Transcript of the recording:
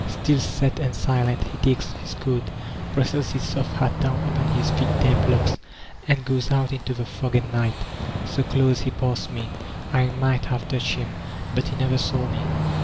Still set and silent he take^t his coat, ''presses his soft hat down upon his thick, damp locks," and goes out into the fog and night. So close he passed me, I might have touched him; but he never saw me.